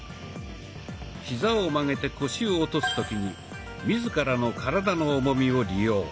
ヒザを曲げて腰を落とす時に自らの体の重みを利用。